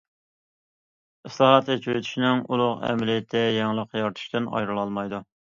ئىسلاھات، ئېچىۋېتىشنىڭ ئۇلۇغ ئەمەلىيىتى يېڭىلىق يارىتىشتىن ئايرىلالمايدۇ.